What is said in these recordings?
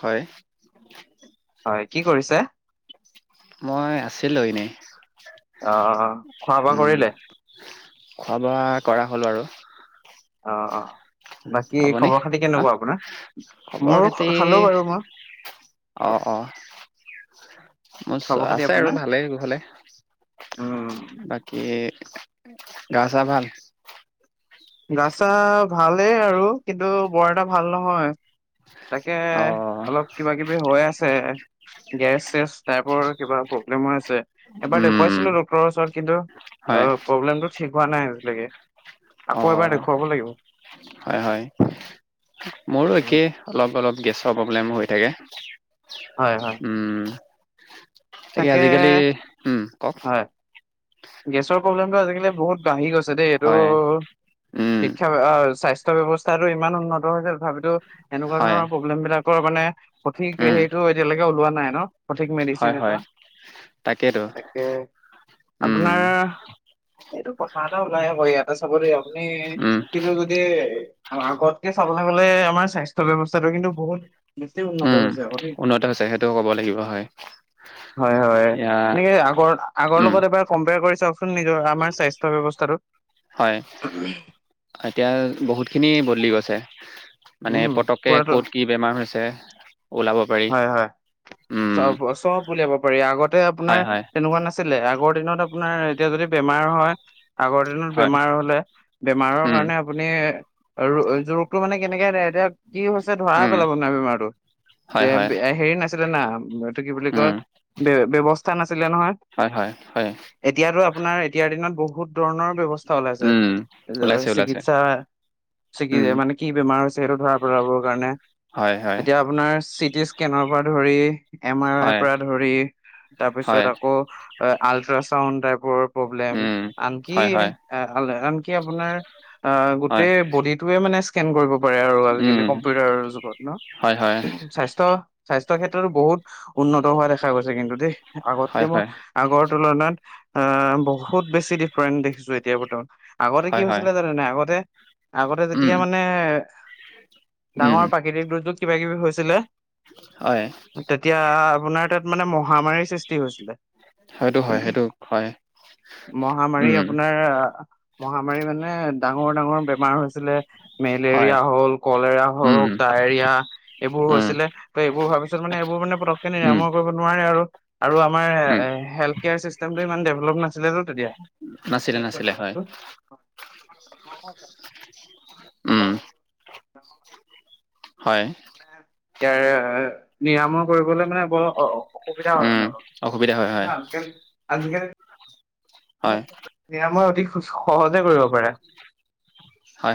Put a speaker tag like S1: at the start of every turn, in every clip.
S1: হয়।
S2: হয় কি কৰিছে।
S1: মই আছিলোঁ এনেই।
S2: অ খোৱা বোৱা
S1: উম
S2: কৰিলে।
S1: খোৱা বোৱা কৰা হ'ল বাৰু।
S2: অ অ। বাকী
S1: আপুনি
S2: খবৰ খাতি
S1: হা
S2: কেনেকুৱা আপোনাৰ
S1: খবৰ
S2: মোৰো
S1: খাতি
S2: খালো বাৰু মই।
S1: অ
S2: খ-
S1: অ। মোৰ
S2: খবৰ খাতি
S1: আছে আৰু
S2: আপোনাৰ
S1: ভালেই কোশলে
S2: উম
S1: ভালে বাকী। কি গা চা ভাল।
S2: গা ছা ভালেই আৰু কিন্তু বৰ এটা ভাল নহয়। তাকে
S1: অ
S2: অলপ কিবা কিবি হৈ আছে। গেছ চেছ টাইপৰ কিবা প্ৰব্লেমো আছে এবাৰ
S1: উম
S2: দেখুৱাইছিলো ডক্তৰৰ ওচৰত কিন্তু
S1: হয়
S2: অ', প্ৰব্লেম টো ঠিক হোৱা নাই আজিলৈকে। আকৌ এবাৰ
S1: অ',
S2: দেখুৱাব লাগিব
S1: হয় হয়। মোৰো
S2: উম,
S1: একেই অলপ অলপ গেছৰ প্ৰব্লেম হৈ থাকে।
S2: হয় হয়
S1: উম, তাকে আজিকালি উম, কওক
S2: হয় গেছৰ প্ৰব্লেমটো আজিকালি বহুত বাঢ়ি গৈছে দেই এইটো
S1: হয় উম
S2: শিক্ষা স্বাস্থ স্বাস্থ্য ব্যৱস্থা টো ইমান উন্নত হৈছিল ভাবিতো এনেকুৱা
S1: হয়
S2: ধৰণৰ প্ৰব্লেম বিলাকৰ মানে সঠিক
S1: উম
S2: সেইটো এতিয়ালৈকে ওলোৱা নাই ন' সঠিক
S1: হয়
S2: মেডিচিন
S1: হয়
S2: এটা
S1: তাকেইতো
S2: তাকে।
S1: উম
S2: আপোনাৰ এইটো কথা এটা ওলাই হ' ইয়াতে চাব দিয়ক। আমি
S1: উম
S2: কিন্তু যদি আৰু আগতকে চাবলৈ গ'লে আমাৰ স্বাস্থ্য ব্যৱস্থাটোৰ কিন্তু বহুত বেছি উন্নত
S1: উম,
S2: হৈছে আকৌ দেই
S1: উন্নত হৈছে সেইটোও ক'ব লাগিব হয়।
S2: হয় হয়
S1: এতিয়া
S2: এনেকে আগৰ আগৰ
S1: উম
S2: লগত এবাৰ কম্পেয়াৰ কৰি চাওকচোন নিজৰ আমাৰ স্বাস্থ্য ব্যৱস্থাটো।
S1: হয় এতিয়া বহুতখিনি বদলি গৈছে। মানে
S2: উম
S1: পতককে
S2: পুৰাতো
S1: ক'ত কি বেমাৰ হৈছে ওলাব পাৰি
S2: হয় হয়
S1: উম
S2: চব চব উলিয়াব পাৰি আগতে আপোনাৰ
S1: হয় হয়
S2: তেনেকুৱা না আছিলে আগৰ দিনত আপোনাৰ এতিয়া যদি বেমাৰ হয় আগৰ দিনত
S1: হয়
S2: বেমাৰ হলে বেমাৰৰ
S1: উম
S2: কাৰণে আপুনি আৰু ৰোগটো মানে কেনেকে এতিয়া কি হৈছে ধৰাই
S1: উম
S2: পেলাব মানে বেমাৰটো।
S1: হয়
S2: ব
S1: হয়
S2: হেৰি নাছিল না এইটো কি বুলি কয়
S1: উম
S2: ব ব্যৱস্থা নাছিলে নহয়।
S1: হয় হয় হয়
S2: এতিয়াতো আপোনাৰ এতিয়াৰ দিনত বহুত ধৰণৰ ব্যৱস্থা
S1: উম ওলাইছে
S2: [unintelligible]
S1: ওলাইছে
S2: চিকিৎসা ছিগি
S1: উম
S2: জাই মানে কি বেমাৰ হৈছে সেইটো ধৰা পেলাবৰ কাৰণে
S1: হয় হয়
S2: এতিয়া আপোনাৰ চিটি স্কেনৰ পৰা ধৰি এম আৰ আইৰ
S1: হয়
S2: পৰা ধৰি তাৰপিছত
S1: হয়
S2: আকৌ আল্ট্ৰাচাউড টাইপৰ প্ৰব্লেম
S1: উম
S2: আনকি
S1: হয় হয়
S2: আনকি আপোনাৰ অ',
S1: হয়
S2: গোটেই বডিটেৱে মানে স্কেন কৰিব পাৰে আৰু আজিকালি
S1: উম
S2: কম্পিউটাৰ যুগত ন'
S1: হয় হয়
S2: স্বাস্থ্য স্বাস্থ্যৰ ক্ষেত্ৰতো বহুত উন্নত হোৱা দেখা গৈছে কিন্তু দেই আগতকে
S1: হয়
S2: মই
S1: হয়
S2: আগৰ তুলনাত আহ বহুত বেছি ডিফাৰেন্স দেখিছো এতিয়া বৰ্তমান। আগতে কি
S1: হয় হয়
S2: হৈছিলে জানে আগতে আগতে
S1: উম
S2: যেতিয়া মানে
S1: উম
S2: ডাঙৰ প প্ৰাকৃতিক দুৰ্যোগ কিব কিবি হৈছিলে।
S1: হয়।
S2: তেতিয়া আপোনাৰ তাত মানে মহামাৰীৰ সৃষ্টি হৈছিলে।
S1: হয়টো হয় সেইটো হয়
S2: মহামাৰী
S1: উম
S2: আপোনাৰ মহামাৰী মানে ডাঙৰ ডাঙৰ বেমাৰ হৈছিলে।
S1: হয়
S2: মেলেৰিয়া হল কলেৰা
S1: উম
S2: হওক ডায়েৰিয়া এইবোৰ
S1: উম
S2: হৈছিলে। ত' এইবোৰ হোৱাৰ পিছত মানে এইবোৰ মানে পতকে
S1: উম
S2: নিৰাময় কৰিব নোৱাৰে আৰু আমাৰ
S1: উম
S2: হেল্থ কেয়াৰিষ্টেমটো ইমান ডেভেলপ নাছিলেতো তেতিয়া।
S1: নাছিলে নাছিলে হয়। উম
S2: [unintelligible]
S1: হয়।
S2: ইয়াৰে নিৰাময় কৰিবলৈ মানে বৰ অ' অসুবিধা হয়
S1: উম,
S2: মানে
S1: অসুবিধা হয়, হয়,
S2: অলপ আজিকালি আজিকালি
S1: হয়,
S2: নিৰাময় অতি সহজে কৰিব পাৰে।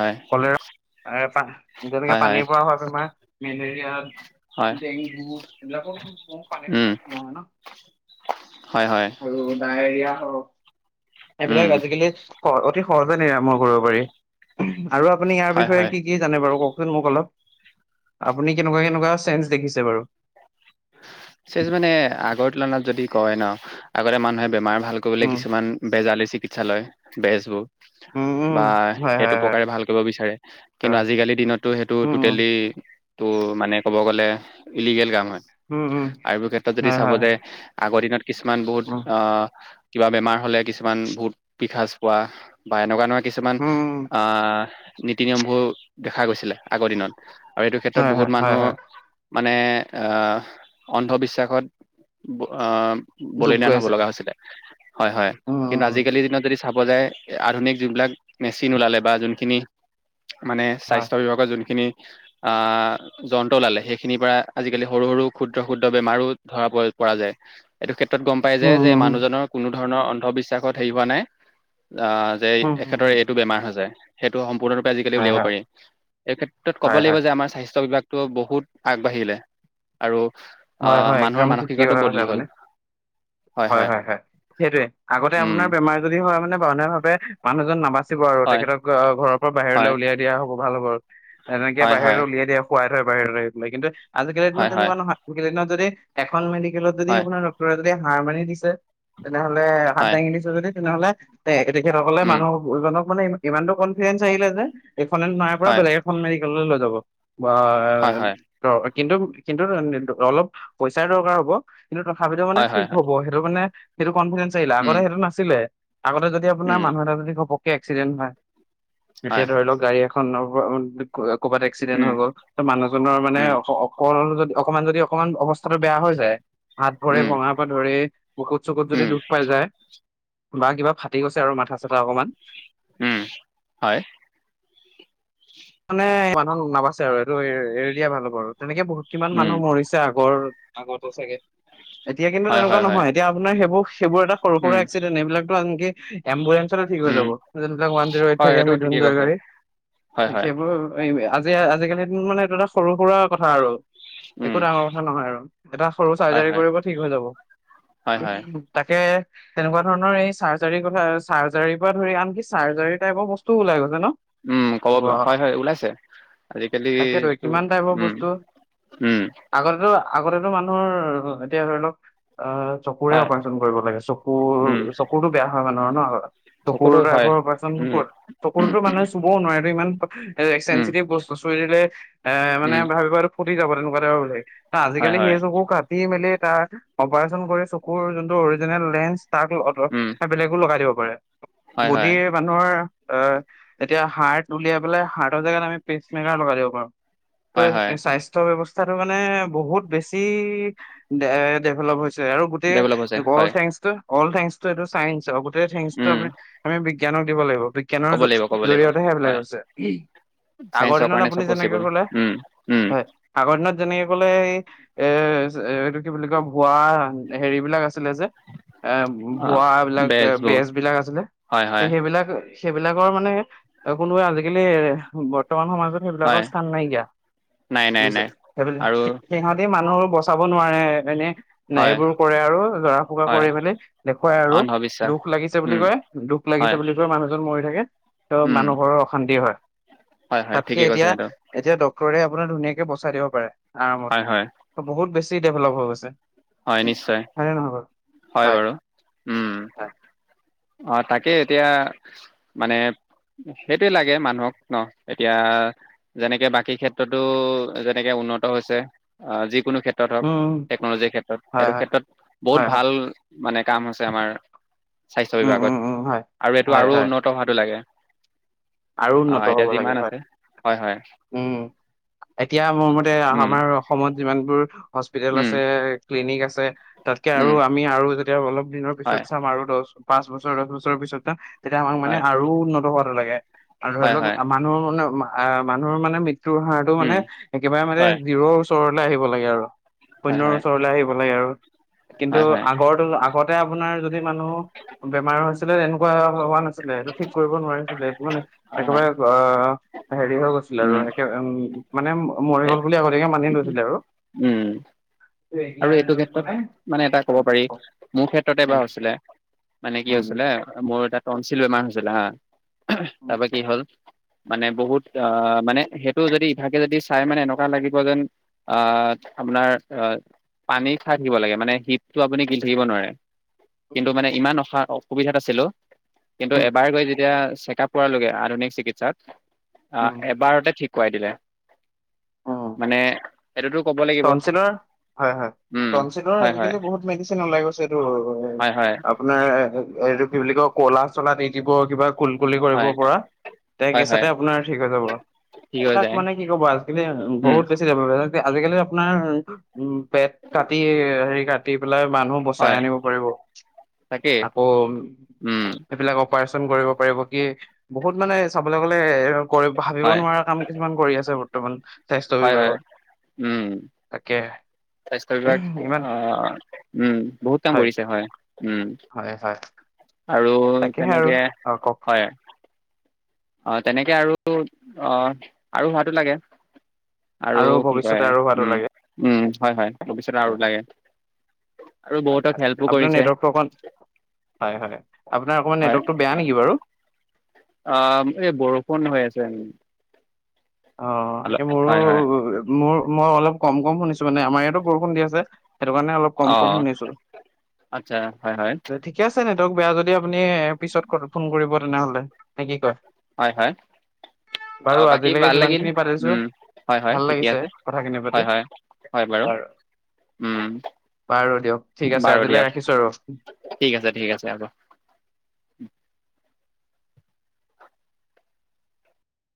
S1: হয়,
S2: কলেৰ যেনেকে
S1: হয়, হয়, হয়,
S2: পানীৰ পৰা হোৱা বেমাৰ। মেলেৰিয়া
S1: হয়,
S2: ডেংগু এইবিলাকৰ পানী ৰ
S1: উম,
S2: পৰাই জন্ম হয় ন'।
S1: হয় হয়
S2: আৰু ডায়েৰিয়া হওঁক
S1: উম,
S2: এইবিলাক আজিকালি অতি সহজে নিৰাময় কৰিব পাৰি আৰু আপুনি ইয়াৰ
S1: হয়,
S2: বিষয়ে
S1: হয়।
S2: কি কি জানে বাৰু কওকচোন মোক অলপ আপুনি কেনেকুৱা কেনেকুৱা চেঞ্জ দেখিছে বাৰু
S1: চেজ মানে আগৰ তুলনাত যদি কয় ন আগতে মানুহে বেমাৰ ভাল কৰিবলে
S2: উম
S1: কিছুমান বেজালী চিকিৎসালয় বেজবোৰ
S2: উম উম
S1: বা
S2: হয় হয়
S1: সেইটো
S2: হয়
S1: প্ৰকাৰে ভাল কৰিব বিচাৰে কিন্তু আজিকালিৰ দিনততো সেইটো
S2: উম উম
S1: টুটেলিটো মানে ক'ব গ'লে ইলিগেল কাম হয়
S2: উম উম
S1: আৰু [unintelligible] ক্ষেত্ৰত যদি
S2: হয়
S1: চাব
S2: হয়
S1: যে আগৰ দিনত কিছুমান
S2: হয়
S1: বহুত
S2: উম
S1: আহ কিবা বেমাৰ হ'লে কিছুমান ভূত পিসাঁজ পোৱা বা এনেকুৱা নহ কিছুমান
S2: উম
S1: আহ নীতি নিয়মবোৰ দেখা গৈছিলে আগৰ দিনত আৰু এইটো
S2: হয়
S1: ক্ষেত্ৰত
S2: হয়
S1: বহুত
S2: হয়
S1: মানুহ
S2: হয়
S1: মানে অন্ধবিশ্বাসত আহ
S2: ডুব
S1: বলিদান
S2: গৈ
S1: হব
S2: আছিলো
S1: লগা হৈছিলে হয় হয়
S2: উম
S1: কিন্তু
S2: উম উম
S1: আজিকালিৰ দিনত যদি চাব যায় আধুনিক যোনিবিলাক মেচিন ওলালে বা যোনখিনি মানে
S2: হয়
S1: স্বাস্থ্য বিভাগ যোনখিনি আহ যন্ত্ৰ লালে সেইখিনিৰ পৰা আজিকালি সৰু সৰু ক্ষুদ্ৰ ক্ষুদ্ৰ বেমাৰো ধৰা পৰা যায় এইটো ক্ষেত্ৰত গম পাই যে
S2: উম
S1: যে
S2: উম
S1: মানুহজনৰ- কোনো ধৰণৰ অন্ধবিশ্বাসত হেৰি হোৱা নাই আহ যে
S2: উম উম উম
S1: এখেতৰে এইটো বেমাৰ হৈছে। সেইটো সম্পূৰ্ণৰূপ আজিকালি
S2: হয়,
S1: উলিয়াব
S2: হয়,
S1: পাৰ এইক্ষেত্ৰত কব
S2: হয়,
S1: লাগিব
S2: হয়,
S1: যে আম স্বাস্থ্য বিভাগ। টো বহুত আগবাঢ়িলে আৰু
S2: হয়,
S1: আহ
S2: হয়, একদম
S1: মানুহৰ মানসিকতাতটো বদলি হ'ল। হয়
S2: হয়ঁ
S1: হয়
S2: হয়ঁ হয়ঁ সেইটোয়ে আগতে
S1: উম
S2: আপোনাৰ বেমাৰ যদি হয় মানে বাওযনাৰ ভাৱে মানুহজন নাবাচে নাবাচিব আৰু
S1: হয়
S2: তেখেতক ঘৰৰ পৰা বাহিৰলৈ
S1: হয়
S2: উলিয়াই দিয়া হ'ব ভাল হ'ব আৰু এনেকে
S1: হয় হয়
S2: বাহিৰলৈ উলিয়াই দিয়া। শুৱাই থয় বাহিৰ আহি পেলাই কিন্তু আজিকালিৰ দিনত
S1: হয় হয়
S2: তেনেকুৱা নহয় আজিকালি দিনত যদি এখন মেডিকেলত যদি
S1: হয়
S2: আপোনাৰ - যদি হাৰ মাৰি দিছে তেনেহলে হাত
S1: হয়
S2: দাঙি দিছে যদি তেনেহলে- এ তেখেতসকলে
S1: উম
S2: মানুহজনক মানেমান ইমানতটো কনফিডেন্ঞ্চ আহিলে যে এইখননে নাইৰে পৰা
S1: হয়
S2: বেলেগ এখন - মেডিকেল ললৈ যাব
S1: হয় হয়
S2: বা- কিন্তু কিন্তু অলপ পইচাই দৰকাৰ হ'ব কিন্তু তথাপিতো মানে-
S1: হয়
S2: ঠিক
S1: হয় হয়
S2: হ'ব সেইটো মানে সেইটো কনফিডেন্ঞ্চ আহিলে
S1: উম
S2: আগতে সেইটো নাছিলে আগতে যদি আপোনাৰ
S1: উম
S2: মানুহ এটা যদি ঘপকে ঘপকে এক্সিডেন্ট হয় এতিয়া
S1: হয়
S2: ধৰি লওঁক গাড়ী এখননৰ ক'ৰবাত এক্সিডেণ্ট
S1: উম
S2: হৈ গ'ল ত মানুহজনৰ
S1: উম,
S2: মানে- অঁ যদি অকণমান যদি অকমান অৱস্থাাতটো বেয়া হৈ যায় হাত ভৰে
S1: উম,
S2: ভঙাত। ধৰি বুকুত চুকুত যদি
S1: উম,
S2: দুখ পাই যায়। বা কিবা ফাটি গৈছে আৰু মাথা চাথা অকণমান।
S1: উমঁ হয়। উচচ
S2: মানে মানুহ নাবাচছে আৰু এইেইটো এৰি দিয়া ভাল হ'ব আৰু তেনেকে বহুত কিমান
S1: উম,
S2: মানুহ মৰিছে আগৰ। আগতে চাগে এতিয়া কিন্তু
S1: হয়,
S2: তেনেকুৱা
S1: হয়, হয়,
S2: নহয় এতিয়া আপোনাৰ সেইবোৰ সেইবোৰ এটা সৰু সৰু
S1: উম,
S2: এক্সিডেণ্ট এইবিলাক। এইটো আনকি এম্বুলেঞ্চ ঠিক হৈ
S1: উম,
S2: যাব যিবিলাক ওৱান জিৰ' এইট
S1: হয়,
S2: থাকে
S1: সেইটো
S2: মেডিকেল
S1: ঠিকেই
S2: যোৱা
S1: কৈছে।
S2: গাড়ী।
S1: হয়, হয়,
S2: সেইবোৰ আজি আজিকালিৰ দিন মানে এইটো এটা সৰু সুৰা কথা আৰু।
S1: উম,
S2: একো ডাঙৰ কথা নহয় আৰু এটা সৰু
S1: হয়,
S2: চাৰ্জাৰী
S1: হয়,
S2: কৰিব ঠিক হৈ যাব।
S1: হয়, হয়,
S2: তাকে। তেনেকুৱা ধৰণৰ এই চাৰ্জাৰীৰ কথা চাৰ্জাৰীৰ পৰা ধৰি আনকি চাৰ্জাৰী টাইপৰ বস্তুও ওলাই গৈছে ন।
S1: ওম ক'ব পৰা
S2: বাহ,
S1: হয় হয় ওলাইছে
S2: তাকেতো
S1: আজিকালিতো- উমঁ!
S2: আগতে আগতে মানুহৰ এতিয়া ধৰি লওঁক। অঁ চকুৰে
S1: হয়,
S2: অপাৰচন কৰিব লাগে চকুৰ
S1: উম,
S2: চকুৰতটো বেয়া হয় মানুহ ন। চকুৰ
S1: চকুতো হয়।
S2: ড্ৰাইভাৰ অপাৰচন
S1: উম,
S2: কৰত চকুৰতো মানে চুবও নোৱাৰেটো ইমান- এ
S1: উম,
S2: চেঞ্চিটিভ বস্তু চুই দিলে এ মানে
S1: উম,
S2: ভাবিব আৰু ফুটি যাব তেনেকুৱা এ বোলে।
S1: হয়,
S2: আজিকালি
S1: হয়,
S2: সেই চকু কাটি মেলি তাৰ অপাৰেচন কৰি চকুৰ যোনটো অৰিজিনেল লেন্স- তাক অত
S1: উম,
S2: বেলেগো লগাই দিব পাৰে
S1: হয়, হয়,
S2: বদিৰ- মানুহৰ আহ এতিয়া হাৰ্ উলিয়াই পেলাই হাৰ্ৰ জেগাত আমি পেষ্ট মেকাৰ লগাই দিব পাৰো।
S1: হয়, হয়,
S2: ত' স্বাস্থ্য ব্যস্থাটো মানে বহুত বেছি ডেভেলপ হৈছে। ছে আৰু গোটেই
S1: ডেভেলপ হৈছে
S2: অল
S1: হয়,
S2: থেংকছটো, অল থেংকছটো এইটো চাইন্সৰ। গোটেই থেংকছটো
S1: উম,
S2: আমি বিজ্ঞানক দিব লাগিব। বিজ্ঞানৰ
S1: ক'ব লাগিব, ক'ব লাগিব।
S2: জৰিয়তেহে এইবিলাক
S1: হয়,
S2: হৈছে। আগৰ
S1: চাইন্সৰ
S2: দিনত
S1: কাৰণে
S2: আপুনি
S1: চব
S2: যেনেকে
S1: পচিবল,
S2: ক'লে,
S1: উম, উম,
S2: হয়। আাগৰ দিনত যেনেকে ক'লে এই, এই এইটো কি বুলি কয় ভুৱা হেৰি বিলাক আছিলে যে। এ ভুৱ
S1: অ',
S2: বিলাক
S1: বেজবোৰ
S2: বেজ বিলাক আছিলে।
S1: হয়,
S2: এই
S1: হয়,
S2: সেইবিলাকে সেইবিলাকৰ মানে, কোনোৱে আজিকালি বৰ্তমান সমাজত- সেইবিলাকৰ
S1: হয়,
S2: স্থান নাইকিয়া।
S1: নাই, নাই,
S2: বুজিছে
S1: নাই
S2: সেইবিলাক
S1: আৰু
S2: সিহঁতি মানুহো বচাব নোৱাৰে এনেই- নে
S1: হয়,
S2: এইবোৰ কৰে আৰু জৰা ফুকা
S1: হয়
S2: কৰি মেলি দেখুৱাই আৰু।
S1: অন্ধবিশ্বাস
S2: দুখ লাগিছে বুলি
S1: উম
S2: কয়, দুখ
S1: হয়
S2: লাগিছে বুলি ক। মানুহজন মৰি থাকে, ত'
S1: উম
S2: মানুহ ঘৰৰ অশান্তি হয়।
S1: হয় হয় ঠিকে
S2: তাতকে
S1: কৈছে
S2: এতিয়া।
S1: সেইটো
S2: এতিয়া ডক্তৰে আপোনাৰ ধুনীয়াকে বচাই দিব পাৰে, আৰামত
S1: হয় হয়
S2: বহুত বেছি ডেভলপ হৈ গৈছে।
S1: হয় নিশ্চয়,
S2: হয়নে নহয় বাৰু
S1: হয় বাৰু। উম।
S2: হয়
S1: অঁ তাকেই এতিয়া, মানে। সেইটোৱেই লাগে মানুহক ন এতিয়া। যেনেকে বাকী ক্ষেত্ৰতো, যেনেকে উন্নত হৈছে। অ' যিকোনো ক্ষেত্ৰ। ক্ষেত্ৰত হওক,
S2: উম উম
S1: টেকনলজিৰ ক্ষেত্ৰত।
S2: হয়
S1: সেইটো
S2: হয়
S1: ক্ষেত্ৰত
S2: হয়
S1: বহুত
S2: হয়
S1: ভাল মানে কাম হৈছে আমাৰ। স্বাস্থ্য
S2: উম
S1: বিভাগত
S2: উম উম হয়
S1: আৰু এইটো
S2: হয়
S1: আৰু
S2: হয়
S1: উন্নত হোৱাটো লাগে।
S2: আৰু
S1: অ
S2: উন্নত
S1: এতিয়া
S2: হ'ব লাগে
S1: যিমান
S2: হয়।
S1: আছে হয় হয়
S2: উম। এতিয়া মোৰ মতে,
S1: উম
S2: আমাৰ অসমত যিমানবোৰ হস্পিতেল
S1: উম
S2: আছে, ক্লিনিক আছে। তাতকে আৰু
S1: উম
S2: আমি আৰু যেতিয়া অলপ দিনৰ পিছত
S1: হয়
S2: চাম, আৰু দহ পাঁচ বছৰ, দহ বছৰৰ পিছত চাম। তেতিয়া আমাক মানে
S1: হয়
S2: আৰু উন্নত হোৱাটো লাগে। আৰু ধৰি
S1: হয়
S2: লওক
S1: হয়
S2: মানুহৰ মানে, মানুহৰ মানে মৃ। ত্যু হাড়টো মানে
S1: উম
S2: একেবাৰে মানে
S1: হয়
S2: জিৰৰ ওচৰলে আহিব লাগে আৰু।
S1: হয়
S2: শূন্য
S1: হয়
S2: ৰ ওচৰলে আহিব লাগে আৰু। কিন্তু
S1: হয় হয়
S2: আগৰ তুল আগতে আপোনাৰ যদি মানুহ। বেমাৰ হৈছিলে, তেনেকুৱা হোৱা নাছিলে এইটো ঠিক কৰিব নোৱাৰিছিলে। এইটো মানে।
S1: হয় হয়
S2: একেবাৰে আ হেৰি হৈ গৈছিল আৰু
S1: উম
S2: একেবাৰে, উম। মানে, মৰিব গ'ল বুলি আগতীয়াকে মানি লৈছিলে আৰু।
S1: উম।
S2: এতিয়া
S1: আৰু এইটো
S2: দিনত মানে
S1: ক্ষেত্ৰত মানে এটা ক'ব পাৰি। মোৰ ক্ষেত্ৰতে
S2: উম
S1: এবাৰ হৈছিলে। মানে কি
S2: উম
S1: হৈছিলে, মোৰ এটা তঞ্চিল বেমাৰ হৈছিলে হা।
S2: উম
S1: তাৰ পৰা কি হ'ল। মানে বহুত আহ মানে, সেইটো যদি ইভাগে যদি চাই মানে এনেকুৱা লাগিব যেন, আ, আপোনাৰ আ। পানী খাই থাকিব লাগে মানে। হিপটো আপুনি গিলি থাকিব নোৱাৰে। কিন্তু মানে ইমান অসা। অসুবিধাত আছিলোঁ। কিন্তু
S2: উম
S1: এবাৰ গৈ যেতিয়া চেকআপ কৰালোগে। আধুনিক চিকিৎসাত। আ
S2: উম উম
S1: এবাৰতে ঠিক কৰাই দিলে।
S2: উম
S1: মানে সেইটোতো ক'ব লাগিব।
S2: টনচিলৰ হয় হয়।
S1: উম
S2: টনচিলৰ
S1: হয় হয়
S2: আজিকালি বহুত মেডিচিন ওলাই গৈছে টো।
S1: হয় হয়
S2: আপোনাৰ এইটো কি বুলি কলা চলাত দি দিব কিবা। কুলকুলি কৰিব
S1: হয়
S2: পৰা। ভায়েক
S1: হয়
S2: একে
S1: হয়
S2: চাতে আপোনাৰ ঠিক হৈ যাব।
S1: ঠিক হৈ
S2: এইবিলাক
S1: যায়
S2: মানে কি ক'ব আজিকালি
S1: উম
S2: বহুত বেছি। আজিকালি আপোনাৰ উম, পেট কাটি, হেৰি কাটি। কাটি পেলাই মানুহ বচাই
S1: হয়
S2: আনিব পাৰিব।
S1: তাকেই
S2: আকৌ।
S1: উম
S2: এইবিলাক অপাৰেচন কৰিব পাৰিব। কি বহুত মানে চাবলৈ গ'লে কৰিব ভাবিব
S1: হয়
S2: নোৱাৰা কাম। কিছুমান কৰি আছে বৰ্তমান। স্বাস্থ্য
S1: হয়-হয়,
S2: বিভাগত
S1: উম।
S2: তাকে।
S1: স্বাস্থ্য বিভাগ
S2: ইমান
S1: অ', উম, বহুত কাম কৰিছে হয়। উম।
S2: হয়, হয়।
S1: আৰু
S2: তাকেহে আৰু
S1: তেনেকে
S2: অ কওক
S1: হয়। অ তেনেকে আৰু অ আৰু হোৱাতো লাগে। আৰু কি
S2: ভৱিষ্যতে
S1: কয়
S2: আৰু হোৱাটো
S1: উম
S2: লাগে
S1: উম হয় হয় ভৱিষ্যত
S2: হয়
S1: আৰু লাগে। আৰু
S2: হয়
S1: বহুতক
S2: হয়
S1: হেল্পো
S2: আপোনাৰ
S1: কৰিছে।
S2: নেটৱৰ্কটো অকণ হয় হয় আপোনাৰ অকণমান
S1: হয়
S2: নেটৱৰ্কটো বেয়া নেকি বাৰু?
S1: অ এই বৰষুণ হৈ আছে।
S2: অ
S1: অলপ
S2: একে মোৰো
S1: হয় হয়
S2: মোৰ মই অলপ কম কম শুনিছো মানে আমাৰ ইয়াতো বৰষুণ দি আছে সেইটো কাৰণে অলপ। কম
S1: অ
S2: কম শুনিছো।
S1: আচ্ছা হয় হয়।
S2: ঠিকে আছে ন তক বেয়া যদি আপুনি পিছত ফোন কৰিব তেনেহ'লে নে কি কয়।
S1: হয় হয় অ
S2: বাৰু
S1: বাকী বাদ।
S2: আজিলৈকে
S1: ভাল
S2: যিমান
S1: লাগিল
S2: খিনি পাতিছো
S1: হয় হয়
S2: ভাল
S1: ঠিকে
S2: লাগিছে
S1: আছে
S2: কথাখিনি পাতি।
S1: হয় হয় হয় বাৰু। উম।
S2: বাৰু দিয়ক ঠিক আছে
S1: বাৰু দিয়ক
S2: আজিলৈ ৰাখিছো আৰু।
S1: ঠিক আছে ঠিক আছে হ'ব।